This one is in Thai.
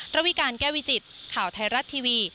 ระวิการแก้วิจิตข่าวไทยรัฐทีวี